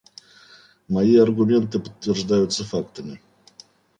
Мои аргументы подтверждаются фактами.